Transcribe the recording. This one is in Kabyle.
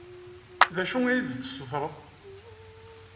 D acu i as-d-tessutreḍ?